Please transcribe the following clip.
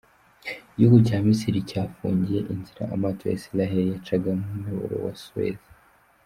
Igihugu cya Misiri cyafungiye inzira amato ya Israel yacaga mu muyoboro wa Suez.